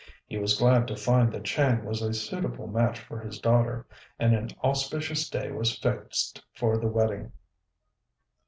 He was glad to find that Chang was a suitable match for his daughter, and an auspicious day was fixed for the wedding.